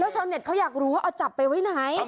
ชาวเน็ตเขาอยากรู้ว่าเอาจับไปไว้ไหน